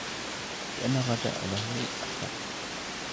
لِأَنَّ الرَّجَاءَ لَهُ أَكْثَرُ